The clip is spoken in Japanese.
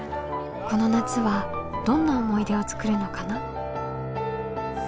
この夏はどんな思い出を作るのかな？